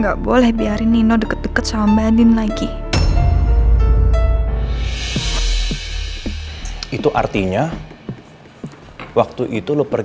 aku harus bagaimana ya mama